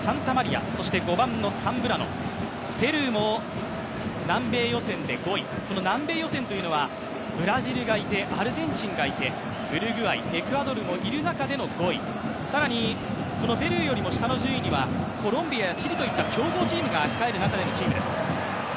ペルーも南米予選で５位、この南米予選というのはブラジルがいて、アルゼンチンがいてウルグアイ、エクアドルもいる中での５位さらにペルーより下の順位にはコロンビアやチリといった強豪チームが控える中でのチームです。